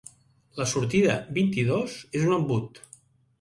La sortida vint-i-dos és un embut.